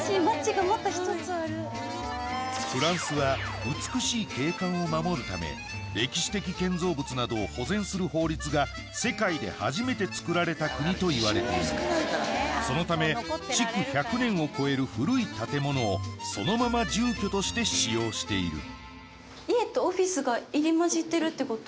フランスは美しい景観を守るため歴史的建造物などを保全する法律が世界で初めて作られた国といわれているそのため築１００年を超える古い建物をそのまま住居として使用している家とオフィスが入り交じってるってこと？